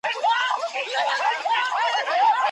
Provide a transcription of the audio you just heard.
د پنجاب سوداګر کابل ته ځي.